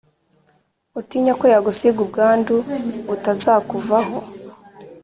utinye ko yagusiga ubwandu butazakuvaho